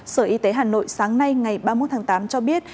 sở y tế hà nội sáng nay ngày ba mươi một tháng tám cho biết